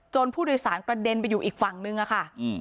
ผู้โดยสารกระเด็นไปอยู่อีกฝั่งนึงอะค่ะ